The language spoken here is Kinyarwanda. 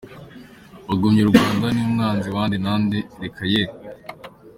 Bagumya u Rwanda ni umwanzi wande na nde? Reka ye!.